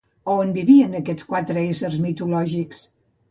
A on vivien aquests quatre éssers mitològics?